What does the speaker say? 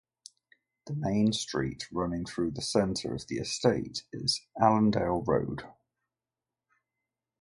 The main street running through the centre of the estate is "Allendale Road".